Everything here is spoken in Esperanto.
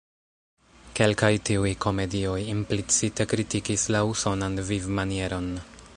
Kelkaj tiuj komedioj implicite kritikis la usonan vivmanieron.